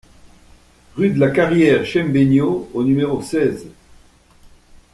Rue de la Carrière Chembenyo au numéro seize